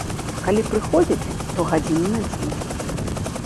Калі прыходзяць, то гадзіны на дзве.